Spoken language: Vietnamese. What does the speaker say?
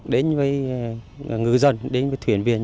đến với ngư dân đến với thuyền viên